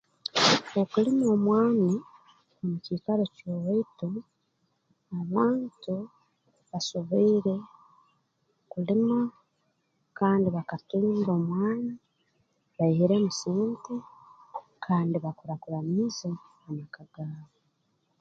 Okulima omwani mu kiikaro ky'owaitu abantu basoboire kulima kandi bakatunga omwani baihiremu sente kandi bakurakuranize amaka gaabo